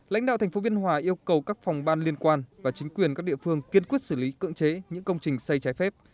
lãnh đạo thành phố biên hòa yêu cầu các phòng ban liên quan và chính quyền các địa phương kiên quyết xử lý cưỡng chế những công trình xây trái phép